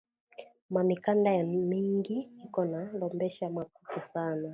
Ma mikanda ya mingi iko na lombesha makuta sana